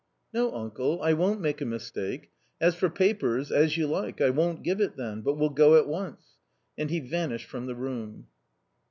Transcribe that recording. " No, uncle, I won't make a mistake. As for papers, as you like, I won't give it then, but will go at once." And he vanished from the room.